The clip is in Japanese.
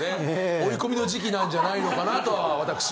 追い込みの時期なんじゃないのかなとは私も。